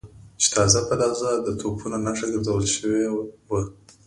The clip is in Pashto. چې تازه په تازه د توپونو نښه ګرځول شوي و.